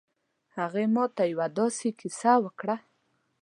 هغې ما ته یو ه داسې کیسه وکړه